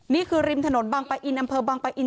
ริมถนนบางปะอินอำเภอบางปะอิน